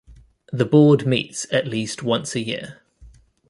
The Board meets at least once a year.